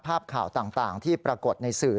ภาพข่าวต่างที่ปรากฏในสื่อ